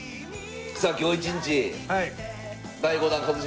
さあ今日一日第５弾一茂さん。